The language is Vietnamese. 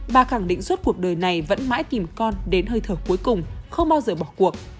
bà khẳng định suốt cuộc đời này vẫn mãi tìm con đến hơi thở cuối cùng không bao giờ bỏ cuộc